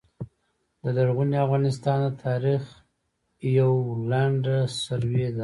د لرغوني افغانستان د تاریخ یوع لنډه سروې ده